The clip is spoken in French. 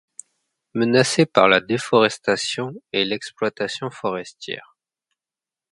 Menacée par la déforestation et l'exploitation forestière.